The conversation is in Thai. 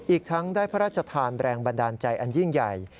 อีกทั้งได้พระราชทานแรงบันดาลใจอันยิ่งใหญ่